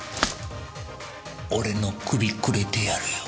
俺の首くれてやるよ。